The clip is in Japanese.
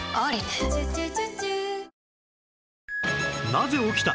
なぜ起きた？